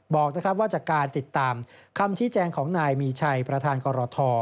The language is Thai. บอกว่าจากการติดตามคำชี้แจงของนายมีชัยประธานกรท